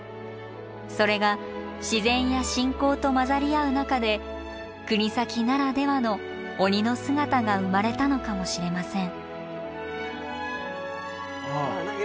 それが自然や信仰と混ざり合う中で国東ならではの鬼の姿が生まれたのかもしれません。